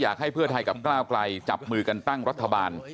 อยากให้เพื่อไทยกับก้าวไกลจับมือกันตั้งรัฐบาล